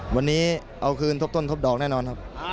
วันนี้เอาคืนทบต้นทบดอกแน่นอนครับ